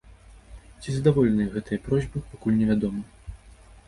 Ці задаволеныя гэтыя просьбы, пакуль невядома.